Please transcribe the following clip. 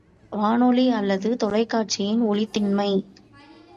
வானொலி அல்லது தொலைக்காட்சியின் ஒலித்திண்மை.